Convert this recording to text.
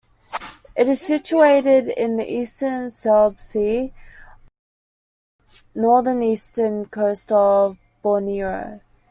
It is situated in the eastern Celebes Sea, off the north-eastern coast of Borneo.